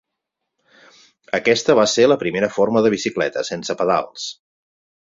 Aquesta va ser la primera forma de bicicleta, sense pedals.